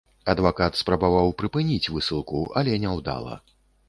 Адвакат спрабаваў прыпыніць высылку, але няўдала.